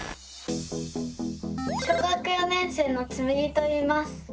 小学４年生のつむぎといいます。